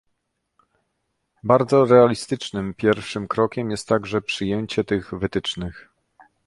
Bardzo realistycznym pierwszym krokiem jest także przyjęcie tych wytycznych